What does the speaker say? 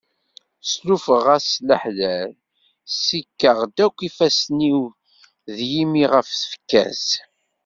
Slufeɣ-as s leḥder, sikkeɣ-d akk ifassen-iw d yimi-w ɣef tfekka-s.